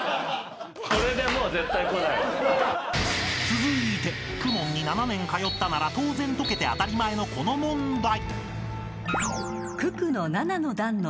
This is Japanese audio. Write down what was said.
［続いてＫＵＭＯＮに７年通ったなら当然解けて当たり前のこの問題］